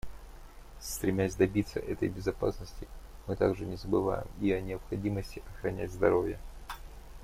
Стремясь добиться этой безопасности, мы также не забываем и о необходимости охранять здоровья.